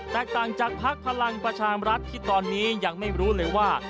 แตกต่างจากภักดิ์พลังประชามรัฐที่ตอนนี้ยังไม่รู้เลยว่า